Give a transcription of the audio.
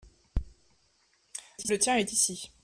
le tien est ici.